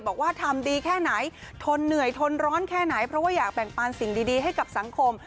บอกว่าทำดีแค่ไหนทนเหนื่อยทนร้อนแค่ไหนเพราะว่าอยากแบ่งปันสิ่งดีให้กับสังคม